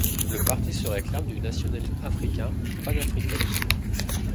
Le parti se réclame du nationalisme africain ou panafricanisme.